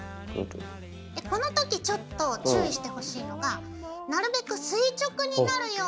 この時ちょっと注意してほしいのがなるべく垂直になるように。